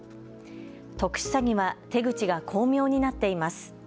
特殊詐欺は手口が巧妙になっています。